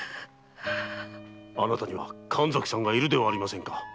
あなたには神崎さんがいるではありませんか。